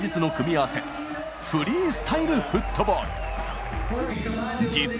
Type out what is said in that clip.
「フリースタイルフットボール」。